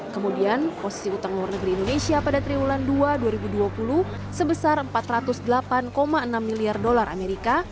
kemudian posisi utang luar negeri indonesia pada triwulan dua dua ribu dua puluh sebesar empat ratus delapan enam miliar dolar amerika